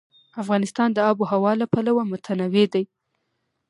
افغانستان د آب وهوا له پلوه متنوع دی.